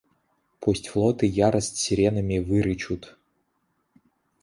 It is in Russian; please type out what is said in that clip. Пусть флоты ярость сиренами вырычут!